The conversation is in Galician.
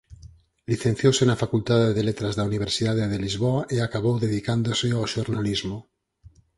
Licenciouse na facultade de letras da Universidade de Lisboa e acabou dedicándose ao xornalismo.